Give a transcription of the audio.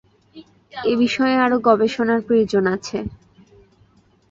এবিষয়ে আরো গবেষণার প্রয়োজন আছে।